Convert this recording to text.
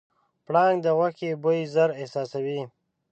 پړانګ د غوښې بوی ژر احساسوي.